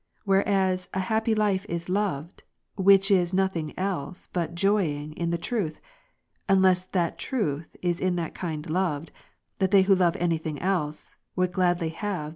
whereas a happy life is loved, which is nothingelse but joying in the truth; unless that truth is in that kind loved, that they who love any thing else, would gladly have that which they ' See above, 1.